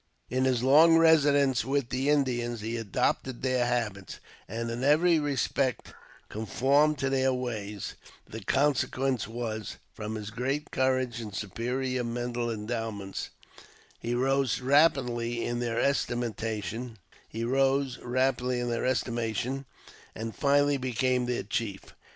In his long residence with the Indians he adopted their habits, and in every respect conformed to their ways : the consequence was, from his great courage and superior mental endowments, he rose rapidly in their estimation, and finally became their chief.